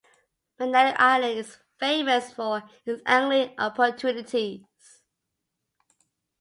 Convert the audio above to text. Magnetic Island is famous for its angling opportunities.